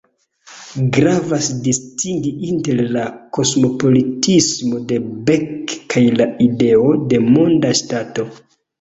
Gravas distingi inter la kosmopolitismo de Beck kaj la ideo de monda ŝtato.